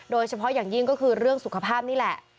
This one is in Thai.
โดยเฉพาะอย่างยิ่งก็คือเรื่องสุขภาพนี่แหละ